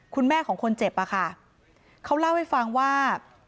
คุณแม่ของคนเจ็บอะค่ะเขาเล่าให้ฟังว่า